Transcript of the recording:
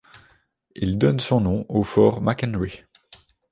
Il donne son nom au Fort McHenry.